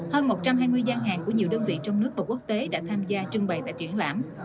hơn một trăm hai mươi gian hàng của nhiều đơn vị trong nước và quốc tế đã tham gia trưng bày tại triển lãm